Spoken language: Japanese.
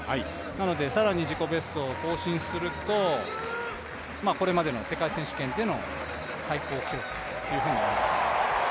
なので更に自己ベストを更新するとこれまでの世界選手権での最高記録というふうになりますね。